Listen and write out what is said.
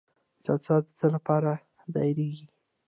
جلسه د څه لپاره دایریږي؟